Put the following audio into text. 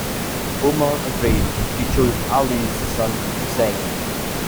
Umar agreed; she chose Ali’s son Husayn.